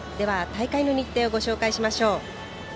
大会の日程をご紹介しましょう。